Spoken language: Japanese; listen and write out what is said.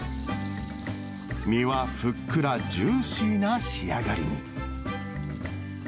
身はふっくらジューシーな仕上がりに。